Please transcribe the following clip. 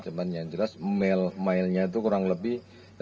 cuma yang jelas mil milnya itu kurang lebih